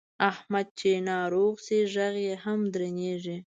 احمد چې ناروغ شي غږ یې هم درنېږي.